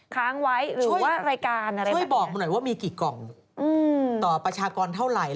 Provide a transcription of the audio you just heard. ช่วยบอกหน่อยว่ามีกี่กล่องต่อประชากรเท่าไหร่